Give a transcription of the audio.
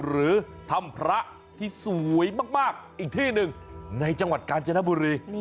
หรือถ้ำพระที่สวยมากอีกที่หนึ่งในจังหวัดกาญจนบุรี